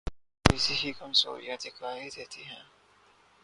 تو ایسی ہی کمزوریاں دکھائی دیتی ہیں۔